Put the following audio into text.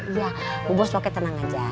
iya bu bos pakai tenang aja